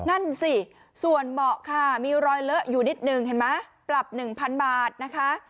นั่นสิส่วนเบาะค่ะมีรอยเลอะอยู่นิดหนึ่งเห็นไหมปรับ๑๐๐บาทนะคะ